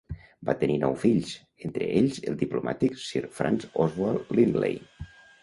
Van tenir nou fills, entre ells el diplomàtic Sir Francis Oswald Lindley.